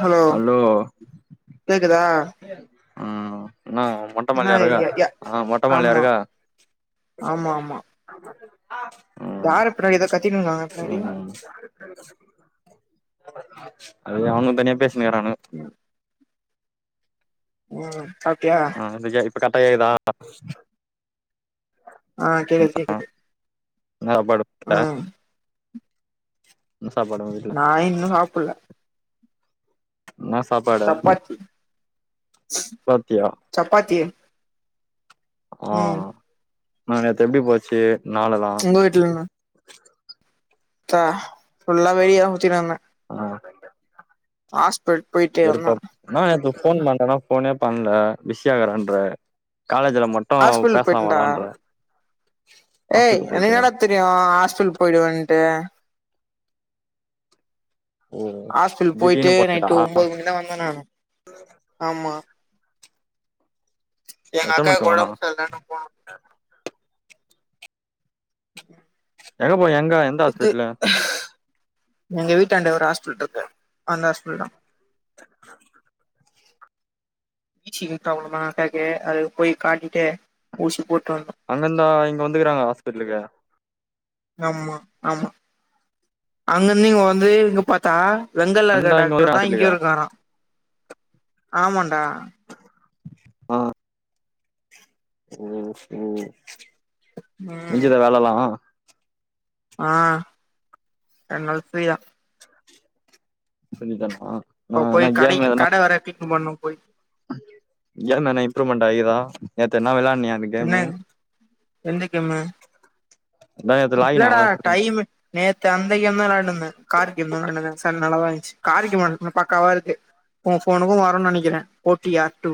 hello கேக்குதா ம் நா ம் மொட்ட என்ன மாடிலையா இருக்க ய ய ஆ மொட்ட மாடிலைய ஆமா இருக்க ஹ யார பின்னாடி ஏதோ கத்தினு இருங்க பின்னாடி அது எதோ அவுங்க தனியா பேசினுகிறானுங்கோ ம் ம் சாப்டியா பன்னென்றைகே இப்ப கரெக்டா கேக்குதா ஆ கேக்குது கேக்குது இன்னா டா படு ம் இன்னா சாப்பாடு உங்க வீட் நா இன்னு சாப்புட்ல இன்னா சாப்பாடு சப்பாத்தி சபாத்தியா சப்பாத்தி ஆ ம் நா நேத்து எப்டி போச்சி நாள் எல்லா உங்க பா ஃபுல்லா வெளிய தா சுத்தினு இருந்தே ஆ ஹாஸ்பிட் போயிட்டு வந்தே நா நேத்து ஃபோன் பண்றன்னா ஃபோனே பண்ணல பிஸியா இருக்குற இன்ற காலேஜில மட் டு ஹாஸ்பிட்டல் பேசலா போயிட்டேன்டா வாடான்றுவ ஹாஸ்பிட்ல் போய்ட்டு ந ஹாஸ்டல் போய்டவன்ட்டு ஓ ஹாஸ்டல் போய்ட்டு திடீர்னு போனியா நைட்டு ஒம்போது மணிதா வந்த நானு ஆமா எங்க எத்தன அக்காக்கு மணிக்கு போன ஒடம்பு சர்ல்லனு போனு எங்க போ எங்க எந்த இதுக்கு ஹாஸ்பிட்டலு எங்க வீட்டாண்ட ஒரு ஹாஸ்பிட் இருக்கு அந்த ஹாஸ்பில் தா பீச்சிங் ப்ராப்ளதா அக்காக்கு அது போய் காட்டிகிட்டு ஊசி போட்டு வந்தோ அங்கருந்தா இங்க வந்துக்கறாங்க ஹாஸ்பிட்டலுக்கு ஆமா ஆமா அங்கந்து இங்க வந்து இங்க பாத்தா வெங்கல்லாகா அங்கந்தா டாக்டர் வந்துக்குறாங்க தா இங்க ஹாஸ்பிட்டலுக்கு இருக்கார ஆமான்டா அ ஒ ஓ ம் முஞ்சிதா வேலலா ஆ ரெண் நாள் ஃப்ரீஅ சனிதான ஓ போய் கடைக்கு கட வற பிக் பண்ணுபோய் கேம்மேன இம்ப்ரூவ்மெண்ட் ஆய்குதா நேத்து எத்னா வெளாண்ணியா என்ன எந்த கேம்மு அதா நேத்து லாகின் இல்லடா ஆகல சொல்லி டைம்மு நேற்று அந்த கேம் தா வெளான்னுந்த கார்கேம் [unintelligible] நல்லாதா இன்ச்சு காரு கேம் [unintelligible] பாக் க்காவா இருக்குஒ ஃபோனுக்கு வரு நனைக்கிற ஒ டி ஆப் டு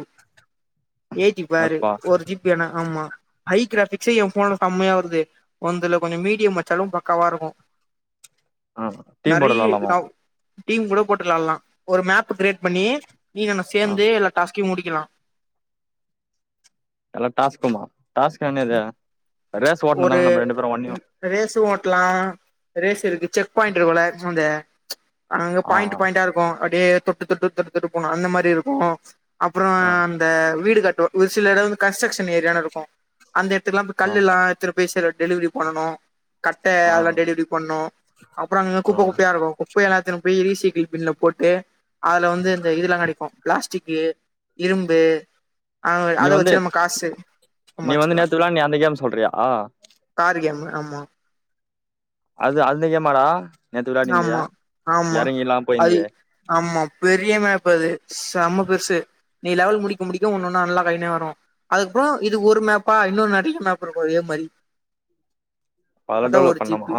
ஏத்தி பாரு அப்பா ஒரு ஜி பி அனா ஆமா ஹை கிராஃபிக்ஸே எ ஃபோன்ல செம்மையா வருது ஒந்துல கொஞ்ச மீடியம் வச்சாலு பக்காவா இருக்கு ஆ டீம் போட்டு நெறைய வெளாட்லாமா டீம் கூட போட்டு விளால்லா ஒரு மேப்பு கிரியேட் பண்ணி நீ ந ஆ சேந்து எல்லா டாஸ்கையு முடிக்கலா எல்லா டாஸ்குமா டாஸ்க்னா என்னதே ரேஸ் ஓட்னு ஒரு தான நம்ம ரெண்டு பேரு ஒன்னியு ரேஸு ஓட்லா ரேஸ் இருக்கு செக் பாய்ண்ட் இருக்குல்ல இத்னூன்டு அங்க ஆ பாயிண்ட் ஆ பாயிண்டா இருக்கு அப்டியே தொட்டு தொட்டு தொட்டு தொட்டு போனு அந்த மாரி இருக்கு அப்றோ ஆ அந்த வீடு கட்டுவ ஒரு சில இடோ வந்து கன்ஸ்ட்ரக்ஷன் ஏரியானு இருக்கு அந்த எட்த்துகுலா போய் ஆ கல்லுலா எத்துனு போய் செரிய டெலிவரி பண்ணனு கட்ட ஆ அதல டெலிவரி பண்ணோ அப்றோ அங்கங்க ஆ குப்ப குப்பயா இருக்கு குப்ப எல்லா எத்துனு போய் ரிசைக்கிள் பின்ல போட்டு அதுல வந்து இந்த இதெல்லா கடைக்கு பிளாஸ்டிக்கு இரும்பு நீ அத வந்து வச்சு நம்ம காசு நீ வந்து சம்பாச்சிகலா நேத்து விளான்னியே அந்த கேம் சொல்றியா காரு கேம் ஆமா அது அந்த கேமாடா நேத்து விளாட்டிந்தியே ஆமா ஆமா எறங்கிளா அது போய்ந்தியே ஆமா பெரிய மேப் அது செம்ம பெருசு நீ லெவல் முடிக்க முடிக்க ஒன்னொன்னா அன் லாக் ஆய்னே வரு அதுகப்றோ இது ஒரு மேப்பா இன்னோ நரிய மேப் இருக்கு அதே மாரி உஹம் அதா ஒரு ஜி பி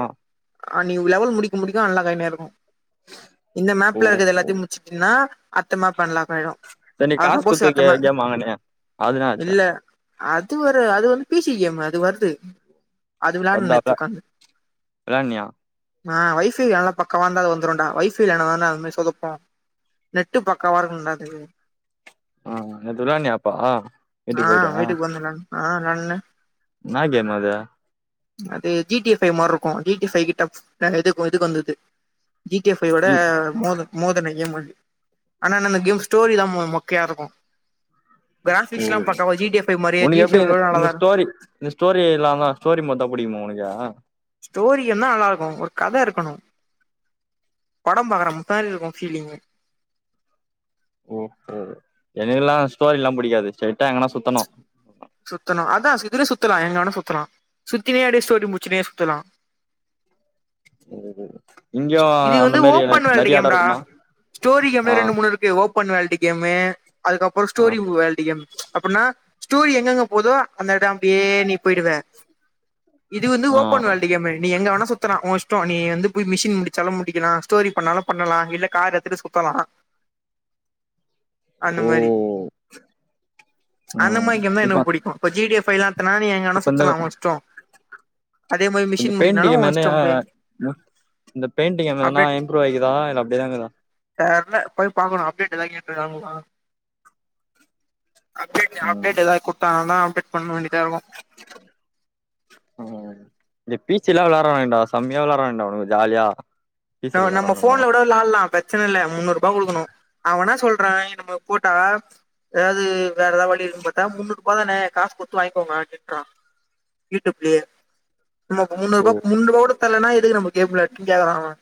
ஆ நீங்க லெவல் முடிக்க முடிக்க அன்லாக் ஆய்னே இருக்கு இந்த ஓ மேப்ல இருக்றது ஓ எல்லாத்தியு முச்சுட்டீன்னா அத்த மேப் அன் லாக் ஆய்டு சரி நீ அழகா காசு போஸ் குடுத்து கே அத்தம கேம் வாங்குனியே அது என்ன ஆச்சு இல்ல அது ஒரு அது வந்து பி சி கேம் அது வருது அது விளாட்ன வந்தாதே நேத்து உக்காந்து விளாட்னியா ஆ வை ஃபை நல்லா பக்காவாந்தா அது வந்துருண்டா வை ஃபை இல்லனா தான்டா அத மாரி சொதப்பூ நெட்டு பக்காவா இருக்கனுண்டா அதுக்கு ஆஹ் நேத்து விளாட்னியா அப்போ வீட்டுக்கு போயிட்டு ஆஹ் விளாண்டனே இன்னா கேம் அதூ அது G T A five மார்ருக்கூ G T A five க்கு டஃப் இது இதுக்கு வந்தது ஜி டி ஏ ஃபை ஓட இ மோதன் மோதுன கேமு ஆனா என்ன அந்த கேம் ஸ்டோரிதா ம மோக்கையா இருக்கு ஓ கிராஃபிக்ஸ்லா பக்காவா ஜி டி எஃப் ஃபை மாரியே உனக்கு ஜி எப்டி சி எப் இது விட இந்த நல்லாதா இருக் ஸ்டோரி இந்த ஸ்டோரி இல்லாமதா ஸ்டோரி மார்தா புடிக்குமா உனக்கு ஸ்டோரி கேம்தா நல்லா இருக்கு ஒரு கத இருக்கணு படம் பாக்குற [unintelligible] இருக்கு ஃபீலிங்கு ஓஹோ எனக்கெல்லா ஸ்டோரிலா புடிக்காது ஸ்ட்ரைட்டா எங்கனா சுத்தணு சுத்தனு அதா இதுலே சுத்தலா எங்க வேனா சுத்தலா சுத்தினே அப்டியே ஸ்டோரி முடிச்சினே சுத்தலா ஓ இங்கயு இது அந்த வந்து மாரி எட ஓப்பன் வேர்ல்டு நெறைய எடோ கேம்டா இருக்குமா ஸ்டோரி கேமே ஆ ரெண்டு மூனூ இருக் கு ஓபன் வேல்டு கேமு அதுக்கப்பறோ ஆ ஸ்டோரிவ் வேல்டு கேமு அப்புட்னா ஸ்டோரி எங் கெங்க போதோ அந்த எடோ அப்டியே நீ போயிடுவ இது வந்து ஆ ஓபன் வேல்டு கேமு நீ எங்க வேணா சுத் சுத்தலா ஓ இஷ்டோ நீ வந்து போய் மிஷின் முடிச்சாலு முடிக்கலா ஸ்டோரி பண்ணாலு பண்ணலா இல்ல கார் எடுத்துட்டு சுத்தலா அந்த ஓ மாரி அந்த மாரி எனக்கு ரொ புடிக்கு இப்ப ஜி டி எஃப் பை லா எட்த்தனா நீ எங்க வேனா இப்ப இந்த சுத்தலா ஓ இஷ்டோ இந்த பெயிண்டுங் கேமு என்னயா இந்த பெயின்டு கேமு எதனா இம்ரூவ் ஆயிக்கிதா இல்ல அப்டியேதா இக்குதா தெர்ல போய் பாக்கணூ அப்டேட் எதா கேட்ருக்காங்களா அப்டேட் ம் அப்டேட் எதாவ்து குடுத்தாங்கனா அப்டேட் பண்ண வேண்டியதா இருக்கூ ம் இந்த பீச்சுலா விளாட்றாய்ங்கடா செம்மையா விளாட்றாய்ங்கடா அவுனுங்க ஜாலியா நா பீச்சில நம்ம விளாட்றானுங்கலா போன்ல கூட விளாட்லா பிரச்சன இல்ல முன்னூர் ருபா குடுக்கனூ அவென்னா சொல்றா இ நம்ம போட்டா ஏதாவது வேற எதா வழி இருக்குன் பாத்தா முன்னூர் ருபா தானே காசு குடுத்து வாங்கிக்கோங்க அப்டின்றா யூடூப்லெயே நம்ம முன்னூரூபா முன் ருபா கூட தரலன்னா எதுக்கு நம்ம கேம் விளாடிட்டுன் கேக்குறா அவ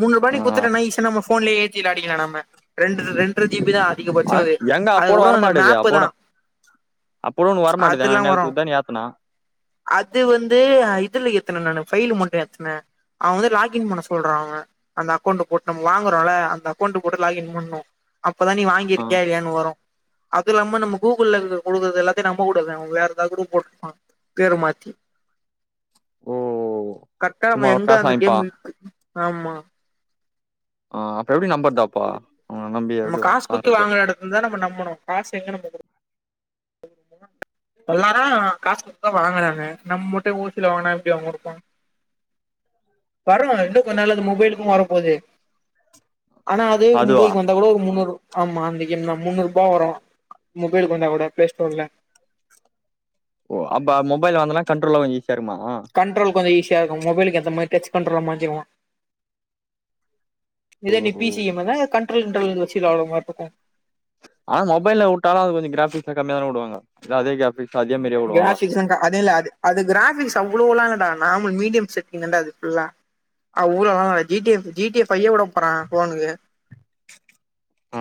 முன்னூருபா நீ ஆ குத்துட்டனா ஈஸியா நம்ம போன்லயே ஏத்தி விளாடிக்களா நம்ம ரெண்டு ரெண் ர ஜீ பி தா அ அதிகபட்சோ அது எங்க அப்போட அதுக்கப்றோ அந்த மேப்பு தா அப்ப கூட உனக்கு வரமாட்டுதே ந நேத்து குத்தா நீ ஏத்துன அது வந்து அ இதுல எத்துன நானு பைலு மட்டு ஏத்துன அவ வந்து லாகின் பண்ண சொன் சொல்றா அவே அந்த அக்கௌண்டு போட்டு நம் வாங்குறோல அந்த அக்கௌண்டு போட்டு லாகின் பண்ணணு அப்பதா நீ வாய்ங் ஆ கிருக்கியா இல்லையானு வரு அது இல்லாம நம்ம கூகுள்ள இருந்து குடுக்குறது எல்லாத்தயு நம்ப கூடாது அவங்க வேற எதாவ் கூட போட்ருப்பாங் பேர மாத்தி கர்ட்டா சும்மா நம்ம எங்க காசு அந்த வாங்கிப்பா கேமு இருக்கு ஆமா ஆ அப்ப எப்டி நம்பர்தப்போ அவங்கள நம்பி எப்டி வாங்கற்து இதுல்தா நம்ம நம்பணு காசு எங்க நம்ம குடு எல்லாரு காஸ் குடுத் தா வாங்குறாங்க நம்ம மட்டு ஓசில வாங்குனா எப்டி அவங்குடுப்பா வரணுங்க இன்னு கொஞ்ச நாள்ல அது மொபைலுக்கு வர போது ஆனா அது அதுவா மொபைலுக் வந் தாகூட ஒரு முன்னூறு ஆமா அந்த கேம் தா முன்னூர்பா வரு மொபைலுக்கு வந்தாகூட ப்ளேஸ்டோர்ல ஓ அப்ப மொபைல்ல வாங்னுதெல்லா கண்ட்ரோல்ல வாங்கி சேருமா கண்ட்ரோல் கொஞ்சோ ஈசியா இருக்கு மொபைலுக்கேத்த மார் டெக்ஸ்ட் கன்ட்ரோல மாத்திருவோ ஓ இதே நீ பி சி கேம் வந்தா கண்ட்ரோல் கிண்ட்ரோல் வெச்சி விளாட்ற மார்ருக்கு ஆனா மொபைல்ல உட்டாலு அது கொஞ்சோ க்ராஃபிக்ஸ்லா கம்மியாதான உடுவாங்க இல்ல அதே க்ரா ஃபிக்ஸ் அதே மாரியா வுடுவாங்களா க்ராஃபிக்ஸ்ஸுங்க்கா அது இல்ல அது அது க்ராஃபிக்ஸ் அவ்ளோலா இல்லடா நார்மல் மீடியம் செட்டிங் தான்டா அது ஃபுல்லா ஆ ஊர்லல்லா G T F G T F ஃபையே உட போறா ஃபோனுக்கு ஆ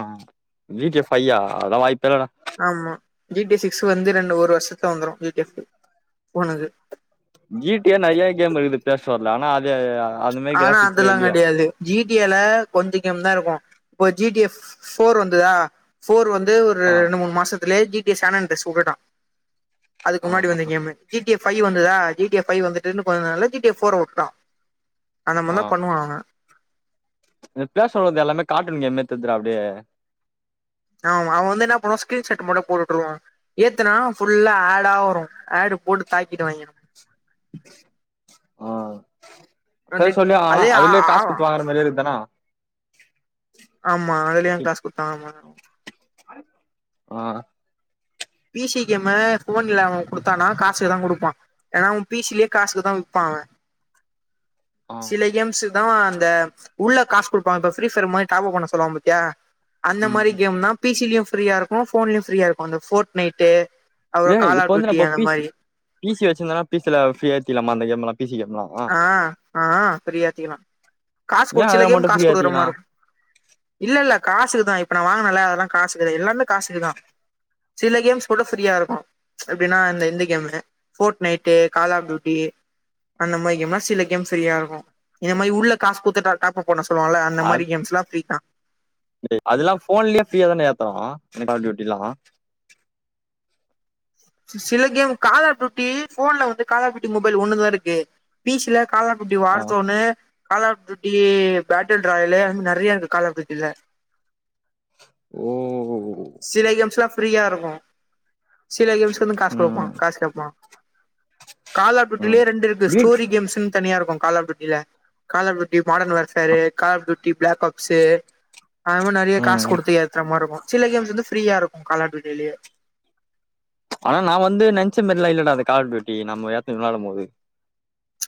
ஜி டி ஃபையா அதுல்லா வாய்ப்பே இல்லடா ஆமா ஜி டி சிக்ஸ் வந்து ரெண்டு ஒரு வர்ஷத்துல வந்துரு ஜி டி எஃபு ஃபோனுது ஜி டி யே நறையா கேம் இருக்குது ப்ளேஸ்டோர்ல ஆனா அது அ ஆனா அதுல்லா கெடையாது ஜி டி ஏ ல கொஞ்ச கேம் தா இருக்கு இப்ப ஜி டி எஃப் ஃபோர் வந்துதா ஃபோர் வந்து ஒரு ஆ ரெண்டு மூணு மாசத்துலே ஜி டி சேனல் டெஸ்ட் உட்டுட்டா அதுக்கு ஆ முன்னாடி வந்த game G T F five வந்துதா ஜி டி எஃப் ஃபை வந்துட்டு இன்னு கொஞ்ச நாள்ல ஜி டி எஃப் ஃபோர் உட்டா அந்த மார் தா பண்ணுவா அவ ப்ளே ஃஸ்டோர்ல உள்ளதெல்லாமே கார்ட்டூன் கேம் மாரி தெர்துடா அப்டியே ஆமா அவ வந்து என்ன பண்ணுவா ஸ்கிரீன்ஷாட்டு மட்டு போட் உட்ருவா ஏத்துனா ஃபுல்லா ஏடா வரு ஏடு போட்டு தாக்கிடுவாய்ங்க ஆ நெட் ப்ளேஸ்டோர்லே வாங்குனா அதே ஆ- அதுலே காஸ் ஆ- குட்த்து வாங்கற மாரியே இருக் தான ஆமா அதுலயு காஸ் குட்த் தா வாங்கற மார் இருக்கு ஆ பி சி கேமு ஃபோன்ல அவ குடுத்தானா காசுக்கு தா குடுப்பா ஏனா அவ பி சி லே காசுக்குதா விப்பா அவ ஆ சில கேம்ஸுக் தா அவ அந்த உள்ள காஸ் குடுப்பா இப்ப ஃப்ரீ ஃபயர் மாரி டாப்அப் பண்ண சொல்லுவா பாத்தியா அந்த ம் மாரி ம் கேம்னா பி சி லியு ஃப்ரீயா இருக்கு ஃபோன்லியு ஃப்ரீயா இருக்கு அந்த ஃபோர்ட்னைட்டு அப்றோ ஏ கால் இப்ப ஆஃப் வந்து ட்யூட்டி நம்ம அந்த பி சி மாரி பி சி வெச்சிருந்தன்னா பி சி ல ஃபிரீயா ஏத்திர்லாமா அந்த கேம்லா பி சி கேம்லா ஆ ஆ ஃப்ரீயா ஏத்திக்கலா காஸ் ஏ குடு சில அதுல கேம் மட்டு காஸ் ஃப்ரீயா குடுக்கற ஏத்திக்கலா மார்ருக்கு இல்ல இல்ல காசுக்குதா இப்ப நா வாங்குனல்ல அதுலா காசுக்கு எல்லாமே காசுக்குதா சில கேம்ஸ் மட்டு ஃப்ரீயா இருக்கு எப்டினா அந்த இந்த game Fortnite, call of duty அந்த மாரி கேம்லா சில கேம் ஃப்ரீயா இருக்கு இந்த மாரி உள்ள காஸ் குட்த்து டா டாப்அப் பண்ண சொல்வோல்ல அந்த மாரி கேம்ஸ்லா ஃப்ரீ தா டே அதுல்லா ஃபோன்லே ஃப்ரீயா தான ஏத்தறோ இந்த கால் டியூட்டில்லா சில கேம் கால் ஆஃப் ட்யூட்டி ஃபோன்ல வந்து கால் ஆஃப் ட்யூட்டி மொபைல் ஒன்னுதா இருக்கு பி சி ல கால் ஆஃப் ட்யூட்டி ஆ வார்ஸோனு, கால் ஆஃப் ட்யூட்டி பேட்டில் ட்ராயலு அது மார் நெறையா இருக்கு கால் ஆஃப் ட்யூட்டில ஓ ஓ ஓ சில கேம்ஸ்லா ஃப்ரீயா இருக்கு சில கேம்ஸ்க்கு வந்து காஸ் குடுப்பா ம் காஸ் கேப்பா கால் ஆஃப் ட்யூட்டிலே ம் ரெண்டு இருக்கு வீட் ஸ்டோரி கேம்ஸ்ஸுன் தனியா இருக்கு கால் ஆஃப் ட்யூட் டில கால of duty modern வெர்க்சாரு, call of duty black carbs அது மாரி நறைய ம் காஸ் ம் குடுத்து ஏத்தற மார்ருக்கு சில கேம்ஸ் வந்து ஃப்ரீயா இருக்கு கால் ஆஃப் ட்யூட்லே ஆனா நா வந்து நென்ச்சமேரிலா இல்லடா அந்த கால் டியூட்டி நம்ம ஏத்தி விளையாடு போது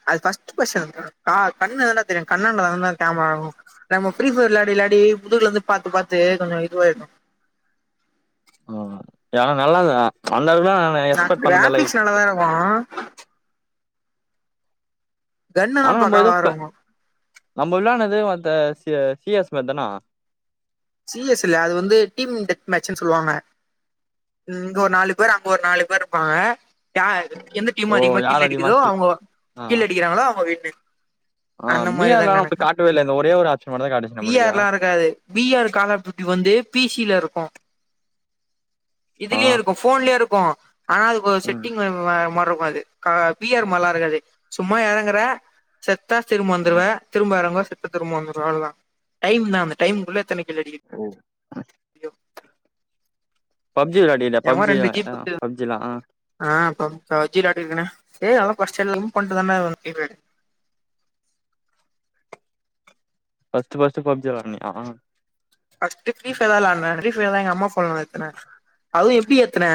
அது கஸ்டு ஃபஸ்ட் கண் கண்லோதா டா தெரியு கண் அண்ணதா டா கேமராவு நம்ம ஃபிரிபைர் விளாடி விளாடி புதுகுல வந்து பாத்து பாத்து கொஞ்சோ இதுவாகிகு ம் ஏனா நல்லதா நல்ல தா நா கிராஃபிக்ஸ் நல்லா தா இருக்கு கன்னுனா ஆனா ஏதோ பக்காவா ப இருக்கு நம்ம விளாடுனது அந்த சி சிஎஸ் பே தனோ சி எஸ் இல்ல அது வந்து டீம் டெத் மேட்சுன்னு சொல்வாங்க இங்க ஒரு நாலு பேர் அங்க ஒரு நாலு பேர் இருப்பாங்க ய எந்த டீம் ஓ அதிகமா கீல் யார் அடிக்குதோ கில் அவுங்கோ ஆ கீல் அடிக்கிறாங்களோ அவுங்க வின்னு ஆ அந்த பி மாரி தா ஆர்லா நமக்கு கணக்கு காட்டவே இல்ல இந்த ஒரே ஒரு ஆப்ஷன் மட்டுந்தா காட்டுச்சு பி நம்மளுக்கு ஆர்லா இருக்காது பி ஆர் காலப் பியுட்டி வந்து பி சி ல இருக்கு ஆ இதுலேயு இருக்கு போன்லேயு இருக்கு ஆனா அது கொ ம் செட்டிங் வே வேற மாரி இருக்கோ அது கா பி ஆர் மார்லா இருக்காது சும்மா எறங்குற செத்தா திருப்ப வந்துருவ ம் திரும்ப எறங்குவ செத் தி திரும்ப வந்துருவ அவ்ளதா டைம்னா அந்த டைம்குள்ள எத்தன கில் அடிக்கி ம் பப்ஜி விளாடில எவ பப்ஜி ரெண்டு ஜீப் அ குத்து பப்ஜிலா ஆ ஆ பப் பப்ஜீ விளாடிகிரனே ஏ அதுதெல்லா ஃபஸ்டு எல்லா ரிமூவ் பண்ணிட்டு தாண்டா [unintelligible] ஃபஸ்டு ஃபஸ்டு பப்ஜி விளாட்னியா ஃபஸ்டு ஃப்ரிபர்தா விளாடுன ஃப்ரிபெலா எங்க அம்மா ஃபோன்ல ஏத்துன அது எப்டி ஏத்துன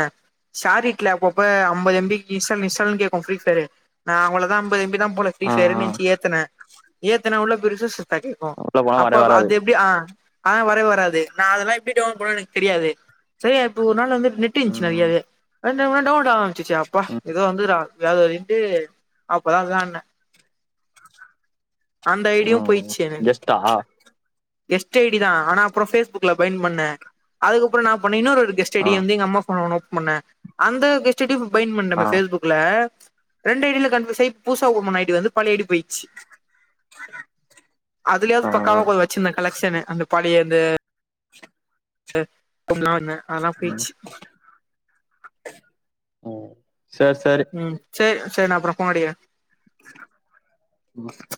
ஷரீட்ல அப்ப அப்ப அம்பது எம் பி இசல் மிசல் கேக்கு ஃப்ரீபயரு நா அவ்ள தா அம்பது எம் பி தா போல ஆ ஃபீரிபேர்ரு நென்ச்சு ஏத்துன ஏத்துன உள்ள பெருஸ் ரிஸ்சுபேக் கேக்கு உள்ள போனா அப்ப வரவே வராது அது எப்டி ஆ ஆனா வரவே வராது நா அதெல்லா எப்டி டவுன்லோட் பண்ணுவ எனக்கு தெரியாது செரியா இப்போ ஒரு நாள் வந்து நெட்டு இன்சி ம் நறயாவே வந்தவே டவுன்லோட் ஆ சிசி அப்பா ம் ஏதோ வந்துகுறாங்கோ வேறா வலின்ட்டு அப்போது விளாடுன அந்த ஐடியு போய்ச்சு எனக்கு தா கெஸ்ட் ஐ டி தா ஆனா அப்புறோ பேஸ்புக்ல பைன் பண்ண அதுக்கப்புறோ நா எண்ண பண்ண இன்னொரு கெஸ்ட் ஆ ஐடி வந்து எங்க அம்மா ஃபோன்ல ஒன்னு ஓப்பன் பண்ண அந்த கெஸ்ட் ஐடி பைன் பண்ண ஆ பேஸ்புக் ல ரெண்டு ஐ டியில கண்பியூஸ் ஆயி புதுசா ஓப்பன் பண்ண ஐ டி வந்து பழைய ஐடி போய்ச்சு அதுலயாது ஆ பக்காவா கொஞ்சோ வச்சிருந்தே கலெக்ஷனு அந்த பாடி எந்த த [inaudible] இன்னோன்னு ம் ம் சேர் சேரி ம் சேர் சேர் நா அப்புறோ ஃபோன் அடிகிற [unintelligible]